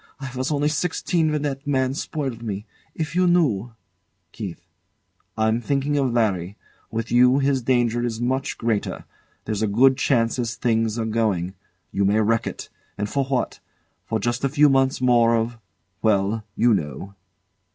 I was only sixteen when that man spoiled me. If you knew KEITH. I'm thinking of Larry. With you, his danger is much greater. There's a good chance as things are going. You may wreck it. And for what? Just a few months more of well you know.